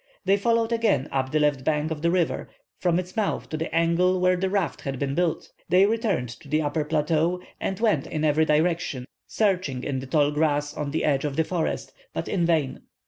They followed again up the left bank of the river, from its mouth to the angle where the raft had been built. They returned to the upper plateau, and went in every direction, searching in the tall grass on the edge of the forest, but in vain.